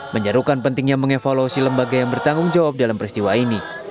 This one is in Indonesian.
menyerukan pentingnya mengevaluasi lembaga yang bertanggung jawab dalam peristiwa ini